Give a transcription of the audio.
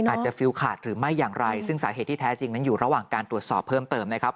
ฟิลขาดหรือไม่อย่างไรซึ่งสาเหตุที่แท้จริงนั้นอยู่ระหว่างการตรวจสอบเพิ่มเติมนะครับ